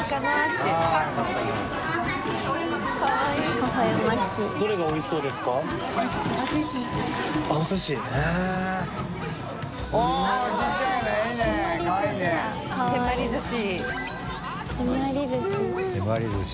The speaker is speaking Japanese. てまり寿司。